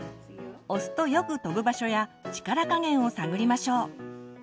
押すとよく飛ぶ場所や力加減を探りましょう。